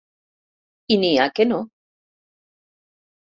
I n'hi ha que no.